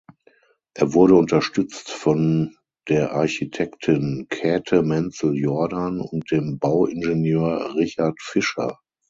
Er wurde unterstützt von der Architektin Käthe Menzel-Jordan und dem Bauingenieur Richard Fischer.